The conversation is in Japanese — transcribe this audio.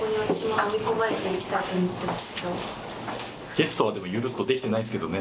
ゲストはでもゆるっとできてないですけどね。